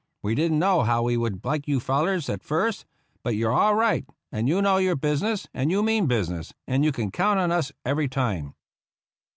We didn't know how we would like you fellars at first ; but you're all right, and you know your business, and you mean business, and you can count on us every time